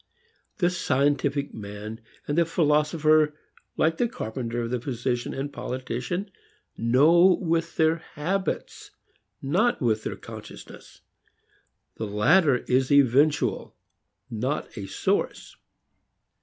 The scientific man and the philosopher like the carpenter, the physician and politician know with their habits not with their "consciousness." The latter is eventual, not a source.